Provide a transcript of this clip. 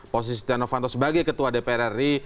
posisi setia novanto sebagai ketua dpr ri